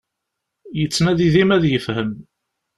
Yettnadi dima ad yefhem.